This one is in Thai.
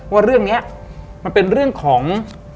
ว่าเรื่องนี้มันเป็นเรื่องของ